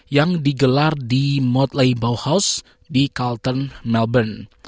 yang digelar di motley bauhaus di calton melbourne